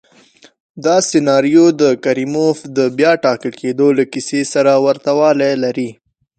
دا سناریو د کریموف د بیا ټاکل کېدو له کیسې سره ورته والی لري.